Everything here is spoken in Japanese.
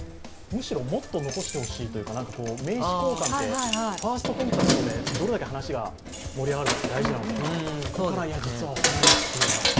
むしろもっと残してほしいというか、名刺交換でファーストコンタクトでどれだけ話が盛り上がるか大事なのでこれは実はお花でというのは。